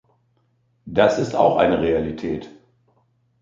Das ist auch eine Realität!